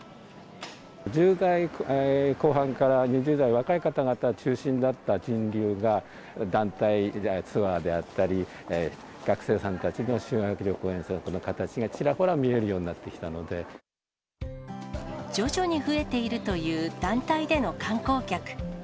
１０代後半から２０代、若い方々中心だった人流が、団体ツアーであったり、学生さんたちの修学旅行、遠足の形が、ちらほら見えるようになっ徐々に増えているという団体での観光客。